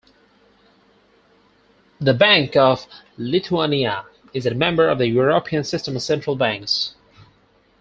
"The Bank of Lithuania" is a member of the European System of Central Banks.